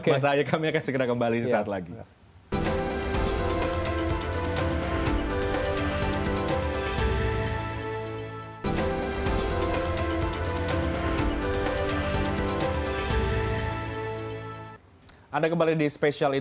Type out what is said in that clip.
mas ayu kami akan segera kembali di saat lagi